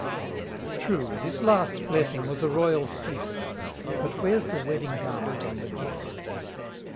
True, this last blessing was a royal feast; But where's the wedding garment on the guest?